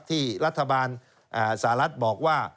ที่รัฐบาลสหรัฐบอกว่า